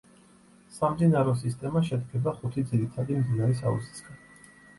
სამდინარო სისტემა შედგება ხუთი ძირითადი მდინარის აუზისგან.